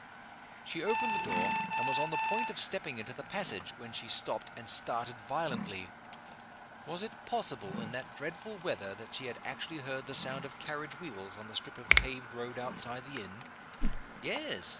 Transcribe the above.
She had opened the door, and was on the point of stepping into the passage when she stopped, and started violently. Was it possible, in that dreadful weather, that she had actually heard the sound of carriage wheels on the strip of paved road outside the inn? Yes!